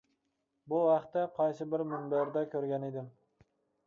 بۇ ھەقتە قايسى بىر مۇنبەردە كۆرگەن ئىدىم.